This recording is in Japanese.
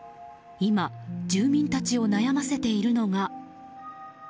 今、住民たちを悩ませているのが。